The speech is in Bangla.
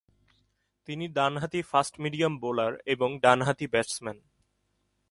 তিনি ডানহাতি ফাস্ট-মিডিয়াম বোলার এবং ডানহাতি ব্যাটসম্যান।